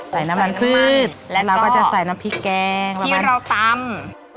ใส่น้ำมันพืชเราก็จะใส่น้ำพริกแกงที่เราตำ